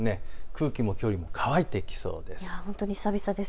空気もきょうより乾いてきそうです。